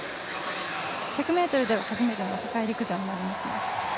１００ｍでは初めての世界陸上となりますね。